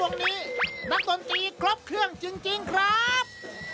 วงดนตรีวงดีนักดนตรีครบเครื่องจริงครับ